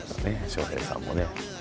翔平さんもね。